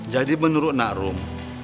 jadi menurut nakrum